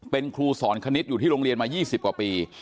เป็นครูสอนคณิตอยู่ที่โรงเรียนมา๒๐กว่าปี